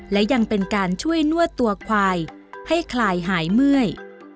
และยังเป็นการช่วยนวดตัวควายให้คลายหายเมื่อย